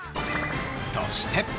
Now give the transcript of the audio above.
そして。